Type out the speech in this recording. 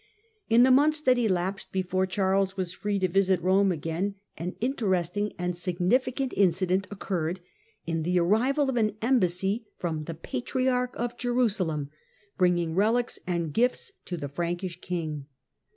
In the months that elapsed before Charles was free to visit Rome again an interesting and significant inci dent occurred in the arrival of an embassy from the Patriarch of Jerusalem, bringing relics and gifts to the Frankish king.